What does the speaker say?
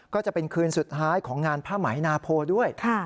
ก็จะเป็นคืนสุดท้ายของงานผ้าไหมนาโพด้วย